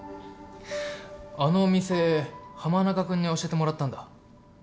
あのお店浜中君に教えてもらったんだ。